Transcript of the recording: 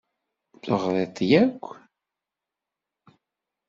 Teɣṛiḍ-t yark?